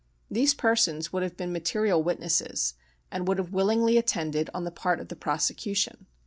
"These persons would have been material witnesses, and would have willingly attended on the part of the prosecution.